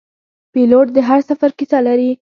پیلوټ د هر سفر کیسه لري.